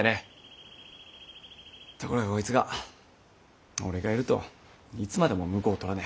ところがこいつが俺がいるといつまでも婿を取らねえ。